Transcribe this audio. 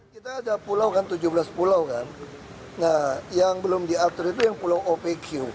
kita ada tujuh belas pulau kan yang belum diatur itu yang pulau opq